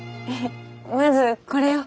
まずこれを。